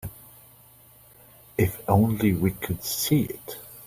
If only we could see it.